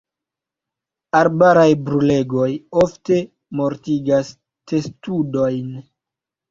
Arbaraj brulegoj ofte mortigas testudojn.